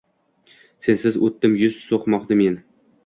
Sensiz o‘tdim yuz so‘qmoqni men